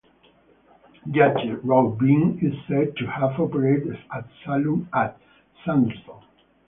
Judge Roy Bean is said to have operated a saloon at Sanderson.